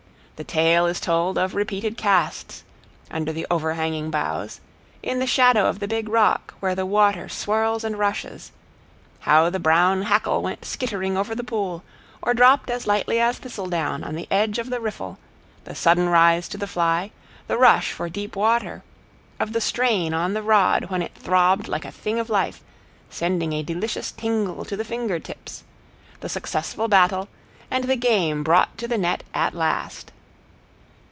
The tale is told of repeated casts, under the overhanging boughs, in the shadow of the big rock, where the water swirls and rushes: how the brown hackle went skittering over the pool, or dropped as lightly as thistledown on the edge of the riffle, the sudden rise to the fly, the rush for deep water, of the strain on the rod when it throbbed like a thing of life, sending a delicious tingle to the finger tips, the successful battle, and the game brought to the net at last.